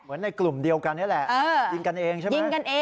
เหมือนในกลุ่มเดียวกันนี่แหละยิงกันเองใช่มั้ย